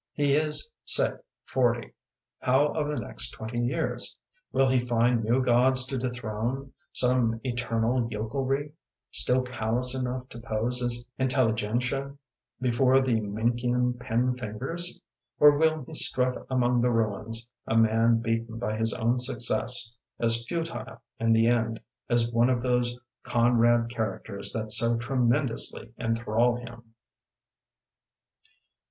He is, say, forty; how of the next twenty years? Will he find new gods to dethrone, some eternal yokelry'* still callous enough to pose as inteUi genzia before the Menckenian pen fingers? Or will he strut among the ruins, a man beaten by his own suc cess, as futile, in the end, as one of those Conrad characters that so tre mendously enthrall him?